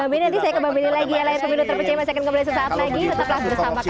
bang beni nanti saya ke bang beni lagi ya layak pemilu terpercaya